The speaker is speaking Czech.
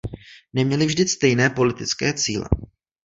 Neměli vždy stejné politické cíle.